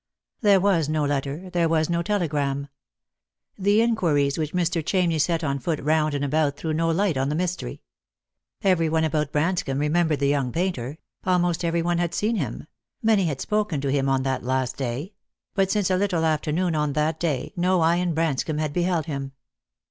There was no letter — there was no telegram. The inquiries which Mr. Chamney set on foot round and about threw no light on the mystery. Every one about Branscomb remembered the young painter ; almost every one had seen him ; many had spoken to him on that last day ; but since a little after noon on that day no eye in Branscomb had beheld him.